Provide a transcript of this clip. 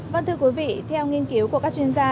vâng thưa quý vị theo nghiên cứu của các chuyên gia